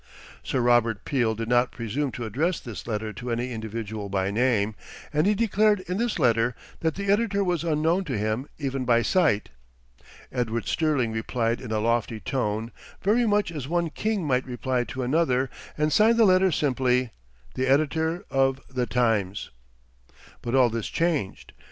Sir Robert Peel did not presume to address this letter to any individual by name, and he declared in this letter that the editor was unknown to him even by sight. Edward Sterling replied in a lofty tone, very much as one king might reply to another, and signed the letter simply "The Editor of 'The Times.'" But all this is changed.